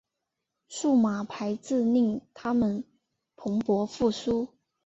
数码排字令它们蓬勃复苏。